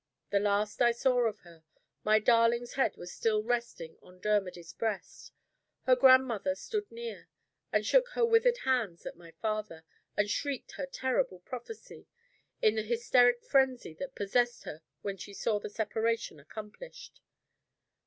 The last I saw of her, my darling's head was still resting on Dermody's breast. Her grandmother stood near, and shook her withered hands at my father, and shrieked her terrible prophecy, in the hysteric frenzy that possessed her when she saw the separation accomplished.